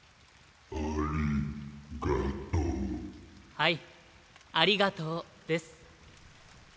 はい「ありがとう」です。